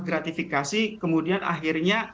gratifikasi kemudian akhirnya